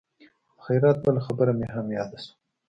د خیرات بله خبره مې هم یاده شوه.